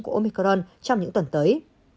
của omicron trong những tuần tới